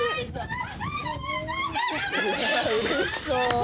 うれしそう。